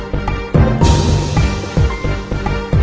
แต่คุณต้องทำงานซิ